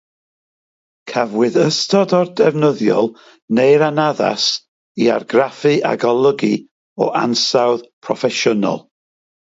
Cafwyd ystod o'r defnyddiol neu'r anaddas i argraffu a golygu o ansawdd proffesiynol.